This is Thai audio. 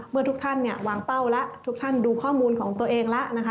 เมื่อทุกท่านวางเป้าแล้วทุกท่านดูข้อมูลของตัวเองแล้ว